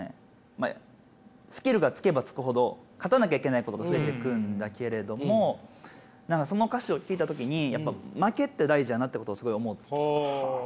まあスキルがつけばつくほど勝たなきゃいけないことが増えていくんだけれども何かその歌詞を聴いた時にやっぱ負けって大事だなってことをすごい思って。